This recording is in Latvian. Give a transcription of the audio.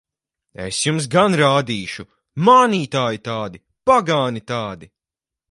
Es jums gan rādīšu! Mānītāji tādi! Pagāni tādi!